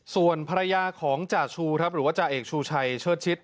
ส่วนภรรยาของจ่าชูครับหรือว่าจ่าเอกชูชัยเชิดชิด